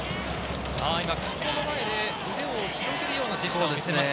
今、顔の前で腕を広げるようなジェスチャーをしました。